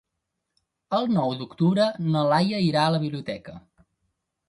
El nou d'octubre na Laia irà a la biblioteca.